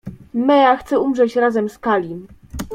— Mea chce umrzeć razem z Kalim.